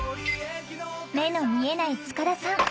目の見えない塚田さん